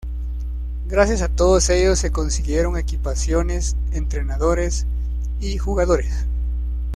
Gracias a todos ellos se consiguieron equipaciones, entrenadores y jugadores.